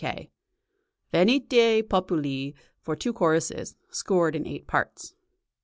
"Venite populi," for two choruses, scored in eight parts.